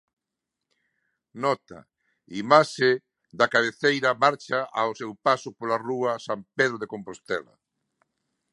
Nota: imaxe da cabeceira marcha ao seu paso pola rúa San Pedro de Compostela.